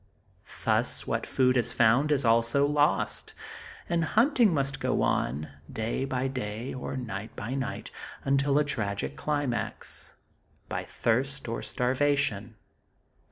Thus, what food is found, is also lost; and hunting must go on, day by day, or night by night until a tragic climax by thirst or starvation.